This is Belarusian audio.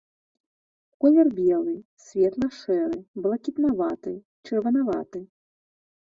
Колер белы, светла-шэры, блакітнаваты, чырванаваты.